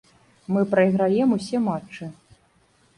Мы прайграем усе матчы.